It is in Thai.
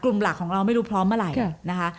กลุ่มหลักของเราไม่รู้พร้อมเมื่อไหร่